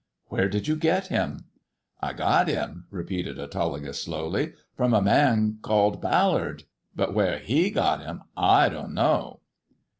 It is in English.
" Where did you get him ?"" I got him," repeated Autolycus slowly, " from a man called Ballard ; but where he got him I don't know."